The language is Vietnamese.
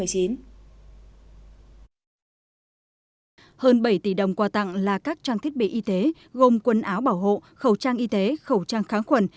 hơn bảy tỷ đồng quà tặng là các trang thiết bị y tế gồm quần áo bảo hộ khẩu trang y tế khẩu trang kháng khuẩn